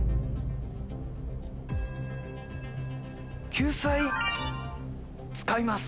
救済使います。